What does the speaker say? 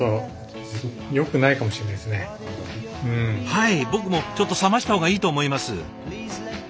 はい僕もちょっと冷ました方がいいと思います。